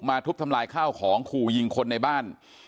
ทุบทำลายข้าวของขู่ยิงคนในบ้าน